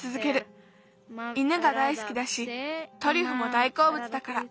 犬が大すきだしトリュフも大こうぶつだから。